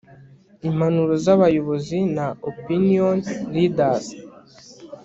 impanuro z'abayobozi na opinion leaders